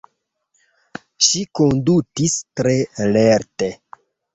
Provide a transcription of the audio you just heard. Ŝi kondutis tre lerte.